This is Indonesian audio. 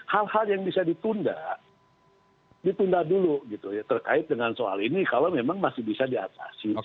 hal hal yang bisa ditunda ditunda dulu gitu ya terkait dengan soal ini kalau memang masih bisa diatasi